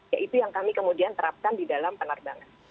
ya itu yang kami kemudian terapkan di dalam penerbangan